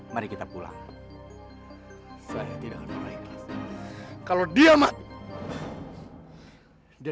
mas kau masih apa